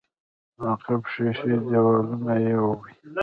د عقب ښيښې دېوالونو يوړې.